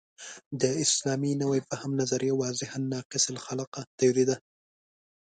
د اسلامي نوي فهم نظریه واضحاً ناقص الخلقه تیوري ده.